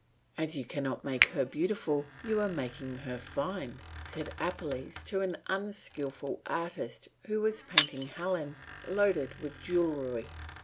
"As you cannot make her beautiful you are making her fine," said Apelles to an unskilful artist who was painting Helen loaded with jewellery.